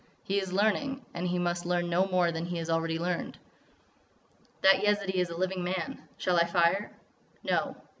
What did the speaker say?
He is learning.... And he must learn no more than he has already learned." "That Yezidee is a living man. Shall I fire?" "No."